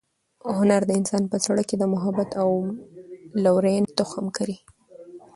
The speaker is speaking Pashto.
هنر د انسان په زړه کې د محبت او لورینې تخم کري.